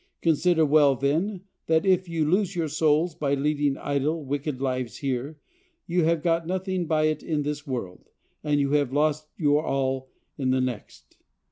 Consider well, then, that if you lose your souls by leading idle, wicked lives here, you have got nothing by it in this world, and you have lost your all in the next.